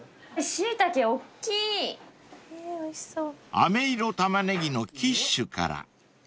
［あめ色タマネギのキッシュから］